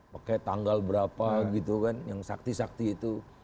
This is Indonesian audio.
pakai tanggal berapa gitu kan yang sakti sakti itu